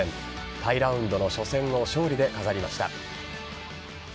タイラウンドの初戦を勝利で飾りました。